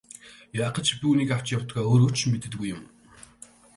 Яах гэж би үүнийг авч явдгаа өөрөө ч мэддэггүй юм.